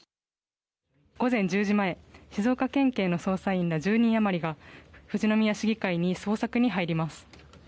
午前１０時前静岡県警の捜査員ら１０人あまりが富士宮市議会に捜索に入ります。